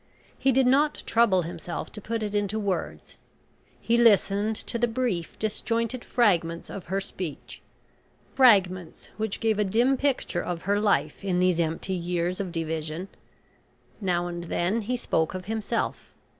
He did not trouble himself to put it into words. He listened to the brief disjointed fragments of her speech fragments which gave a dim picture of her life in these empty years of division. Now and then he spoke of himself.